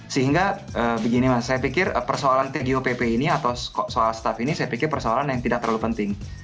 sehingga begini mas saya pikir persoalan tgopp ini atau soal staff ini saya pikir persoalan yang tidak terlalu penting